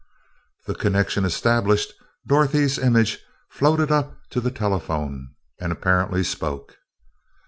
The connection established, Dorothy's image floated up to the telephone and apparently spoke.